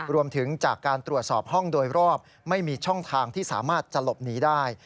รวมถึงจากการตรวจสอบห้องโดยรอบไม่มีช่องทางที่สามารถจะหลบหนีได้